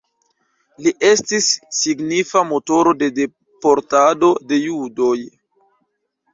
Li estis signifa motoro de deportado de judoj.